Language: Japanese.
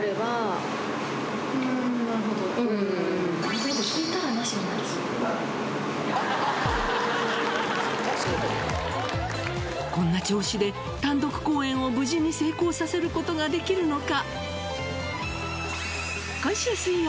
想定外のことに手探りでこんな調子で単独公演を無事に成功させることができるのか？